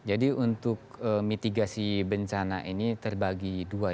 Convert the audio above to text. jadi untuk mitigasi bencana ini terbagi dua